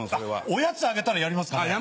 おやつあげたらやりますかね？